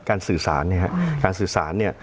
การสื่อสารเนี่ยครับการสื่อสารเนี่ย